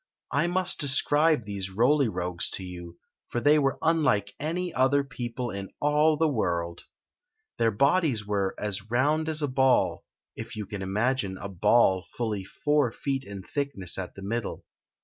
I must describe these Roly Rogues to you, for they were unlike any other peopie in all the world Their bodies were as round as a bail — if you can imagine a ball fully four feet in thickness at the middle.